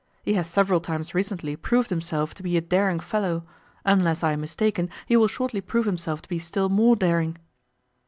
He has several times recently proved himself to be a daring fellow; unless I am mistaken he will shortly prove himself to be still more daring.